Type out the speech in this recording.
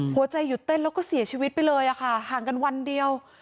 หัวใจหยุดเต้นแล้วก็เสียชีวิตไปเลยค่ะห่างกันวันเดียว